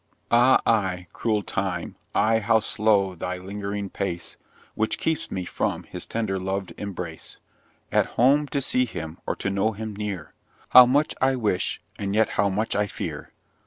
Ah I cruel Time I how slow thy ling'ring pace, Which keeps me from his tender, loved embrace. At home to see him, or to know him near, How much I wish and yet how much I fear!